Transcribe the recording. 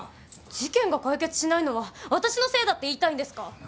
事件が解決しないのは私のせいだって言いたいんですか。